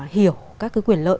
hiểu các cái quyền lợi